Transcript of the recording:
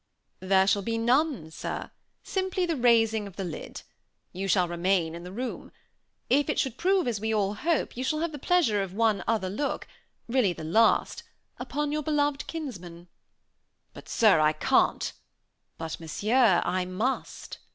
"There shall be none, sir simply the raising of the lid; you shall remain in the room. If it should prove as we all hope, you shall have the pleasure of one other look, really the last, upon your beloved kinsman." "But, sir, I can't." "But, Monsieur, I must."